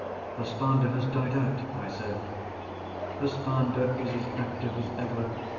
"The slander has died out?" I said. "The slander is as active as ever.